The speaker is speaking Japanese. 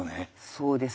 そうです。